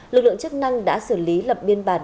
lực lượng chức năng đã xử lý lập biên bản